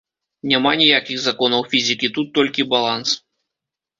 Няма ніякіх законаў фізікі, тут толькі баланс.